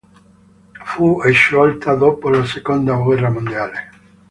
Fu sciolta dopo la Seconda guerra mondiale.